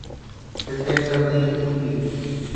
هتي تبديلي ايندي.